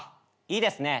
いいですね。